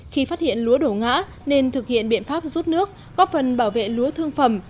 khi phát hiện lúa đổ ngã nên thực hiện biện pháp rút nước góp phần bảo vệ lúa thương phẩm